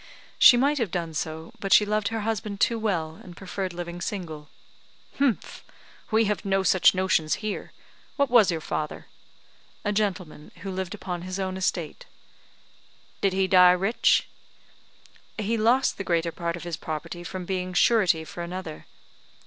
"She might have done so, but she loved her husband too well, and preferred living single." "Humph! We have no such notions here. What was your father?" "A gentleman, who lived upon his own estate." "Did he die rich?" "He lost the greater part of his property from being surety for another."